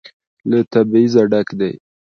له تبعيضه ډک دى.